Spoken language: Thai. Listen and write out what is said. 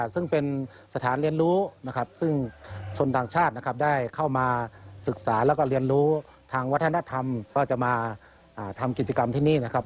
ซึ่งเป็นสถานเรียนรู้นะครับซึ่งชนต่างชาตินะครับได้เข้ามาศึกษาแล้วก็เรียนรู้ทางวัฒนธรรมก็จะมาทำกิจกรรมที่นี่นะครับ